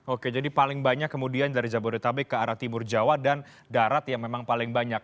oke jadi paling banyak kemudian dari jabodetabek ke arah timur jawa dan darat yang memang paling banyak